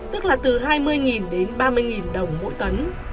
tức là từ hai mươi đến ba mươi đồng mỗi tấn